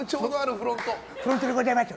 フロントでございます。